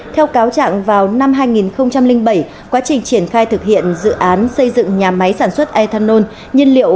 theo cáo trạng vào năm hai nghìn bảy quá trình triển khai thực hiện dự án xây dựng nhà máy sản xuất ethanol nhiên liệu